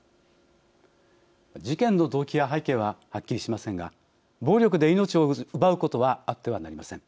事件の動機や背景ははっきりしませんが暴力で命を奪うことはあってはなりません。